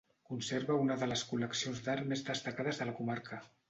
Conserva una de les col·leccions d'art més destacades de la comarca.